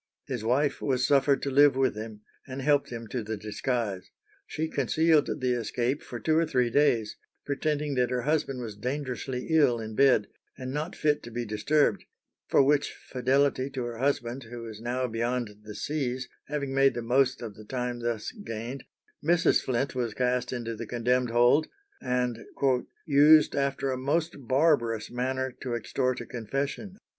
His wife was suffered to live with him, and helped him to the disguise. She concealed the escape for two or three days, pretending that her husband was dangerously ill in bed, and not fit to be disturbed; for which fidelity to her husband, who was now beyond the seas, having made the most of the time thus gained, Mrs. Flint was cast into the condemned hold, and "used after a most barbarous manner to extort a confession."